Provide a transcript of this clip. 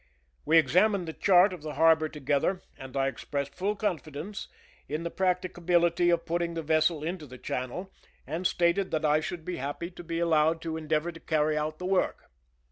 We examined the chart of the harbor together, and I expressed full confi dence in the practicability of putting the vessel into the channel, and stated that I should be happy 7 THE SINKING OF THE ^'MEERIMAC' to be allowed to endeavor to carry out the work.